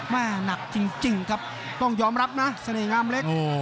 หนักจริงครับต้องยอมรับนะเสน่หงามเล็ก